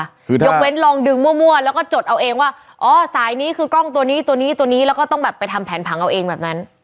คือยกเว้นลองดึงมั่วแล้วก็จดเอาเองว่าอ๋อสายนี้คือกล้องตัวนี้ตัวนี้ตัวนี้แล้วก็ต้องแบบไปทำแผนผังเอาเองแบบนั้น